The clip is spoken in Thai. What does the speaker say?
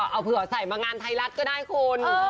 เอาเผื่อใส่มางานไทยรัฐก็ได้คุณ